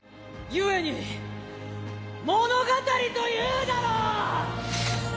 故に物語というだろう！